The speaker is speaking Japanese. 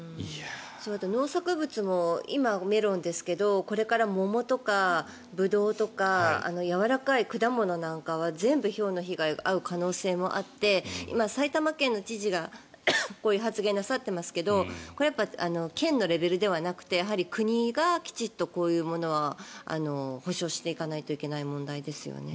農作物も今、メロンですけどこれから桃とかブドウとかやわらかい果物なんかは全部、ひょうの被害に遭う可能性もあって埼玉県の知事がこういう発言をなさってますけど県のレベルではなくて国がきちんとこういうものは補償していかないといけない問題ですよね。